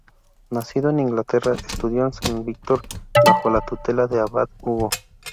Nacido en Inglaterra, estudió a San Víctor bajo la tutela del abad Hugo.